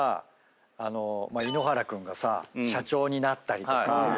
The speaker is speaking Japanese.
井ノ原君がさ社長になったりとか。